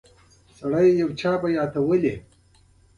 که په یوه جمله کې زمانه بدلون ومومي فعل کې څه بدلون راځي.